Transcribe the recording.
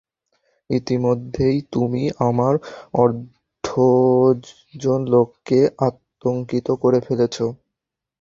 ইতোমধ্যেই তুমি আমার অর্ধডজন লোককে আতংকিত করে ফেলেছ!